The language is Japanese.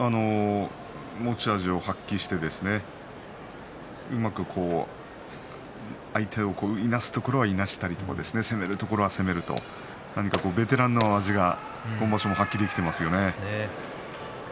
持ち味を発揮してうまく相手をいなすところはいなしたり攻めるところは攻めるとベテランの味が今場所も発揮できていますよね。